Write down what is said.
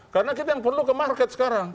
karena kita yang perlu ke market sekarang